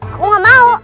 aku gak mau